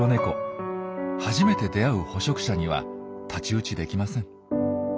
初めて出会う捕食者には太刀打ちできません。